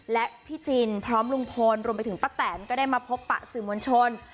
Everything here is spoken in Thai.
และพี่จินพร้อมลุงพลรวมไปถึงป้าแตนก็ได้มาพบปะสื่อมวลชน